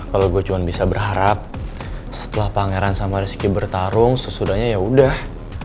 kalau gue cuma bisa berharap setelah pangeran sama rizky bertarung sesudahnya ya udah